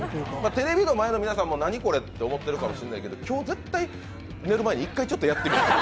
テレビの前の皆さんも何これと思ってるかもしれないけど今日絶対、寝る前に一回ちょっとやってみて。